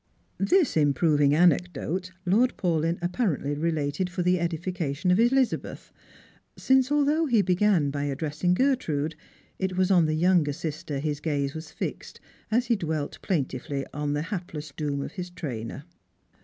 This improving anecdote Lord Paulyn apparently related for the edification of Elizabeth ; since, although he began by ad dressing Gertrude, it was on the younger sister his gaze was fixed, as he dwelt plaintively on the hapless doom of his trainer.